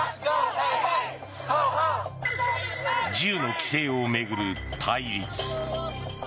銃の規制を巡る対立。